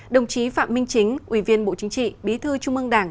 đồng chí phạm minh chính ủy viên bộ chính trị bí thư trung ương đảng